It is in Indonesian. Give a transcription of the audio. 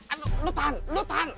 aduh lo tahan lo tahan